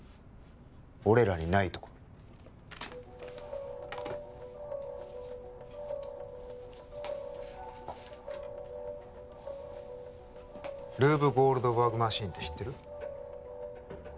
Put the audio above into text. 俺らにないところルーブ・ゴールドバーグ・マシンって知ってる？